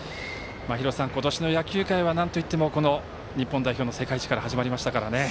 廣瀬さん、今年の野球界はなんといっても日本代表の世界一から始まりましたからね。